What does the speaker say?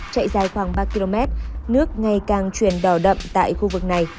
chạy dài khoảng ba km nước ngày càng chuyển đỏ đậm tại khu vực này